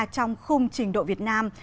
trong khung trình độ việt nam